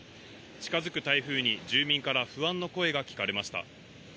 近づく台風に、住民から不安の声が聞かれました。